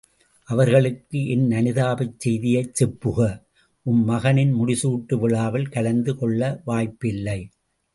அவர்களுக்கு என் அனுதாபச் செய்தியைச் செப்புக. உம் மகனின் முடிசூட்டு விழாவில் கலந்து கொள்ள வாய்ப்பில்லை.